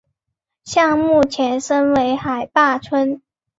项目前身为海坝村。